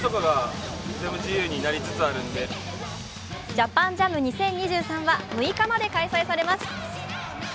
ＪＡＰＡＮＪＡＭ２０２３は６日まで開催されます。